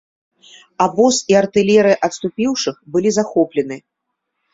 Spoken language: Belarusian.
Абоз і артылерыя адступіўшых былі захоплены.